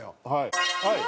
はい。